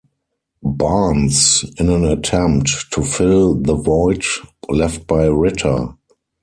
Barnes, in an attempt to fill the void left by Ritter.